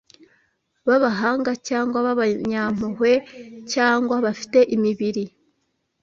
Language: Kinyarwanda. b’abahanga, cyangwa b’abanyampuhwe, cyangwa bafite imibiri